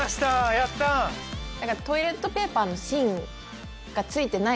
やったトイレットペーパーの芯がついてない